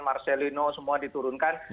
marcelino semua diturunkan